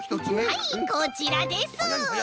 はいこちらです。